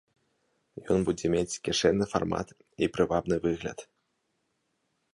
Ён будзе мець кішэнны фармат і прывабны выгляд.